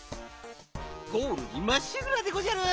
ゴールにまっしぐらでごじゃる。